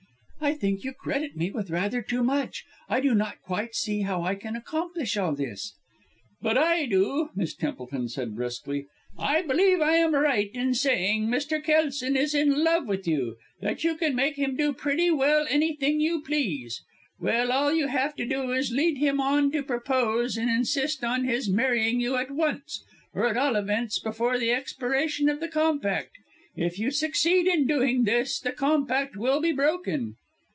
"I think you credit me with rather too much. I do not quite see how I can accomplish all this?" "But I do," Miss Templeton said, briskly. "I believe I am right in saying Mr. Kelson is in love with you that you can make him do pretty well anything you please. Well, all you have to do is to lead him on to propose and insist on his marrying you at once or at all events before the expiration of the Compact. If you succeed in doing this the Compact will be broken!"